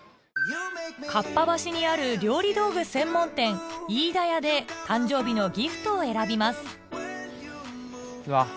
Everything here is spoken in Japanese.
合羽橋にある料理道具専門店「飯田屋」で誕生日のギフトを選びますうわ